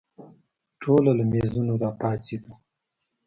ټوله له مېزونو راپاڅېدو.